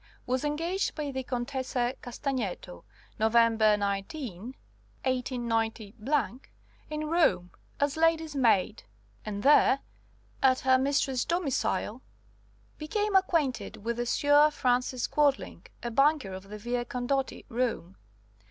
Was engaged by the Contessa Castagneto, November 19, 189 , in Rome, as lady's maid, and there, at her mistress's domicile, became acquainted with the Sieur Francis Quadling, a banker of the Via Condotti, Rome.